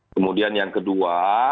kemudian yang kedua